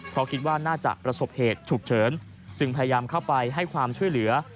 เพราะคิดว่าน่าจะประสบเหตุฉุกเฉินจึงพยายามเข้าไปให้ความช่วยเหลือ